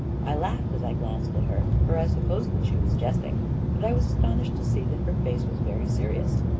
I laughed as I glanced at her, for I supposed that she was jesting; but I was astonished to see that her face was very serious.